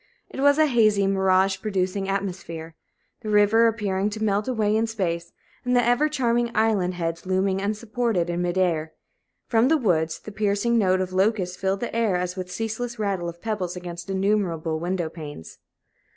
It was a hazy, mirage producing atmosphere, the river appearing to melt away in space, and the ever charming island heads looming unsupported in mid air. From the woods, the piercing note of locusts filled the air as with the ceaseless rattle of pebbles against innumerable window panes.